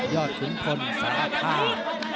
ยอดขุนคนสาธารณ์๕